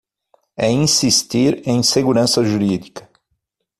É insistir em segurança jurídica